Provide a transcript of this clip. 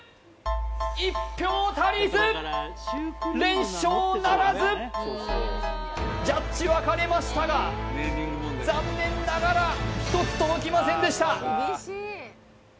１票足りず連勝ならずジャッジ分かれましたが残念ながら１つ届きませんでした